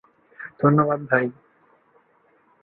ধন্যবাদ, ভাই।